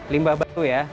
limbah batu ya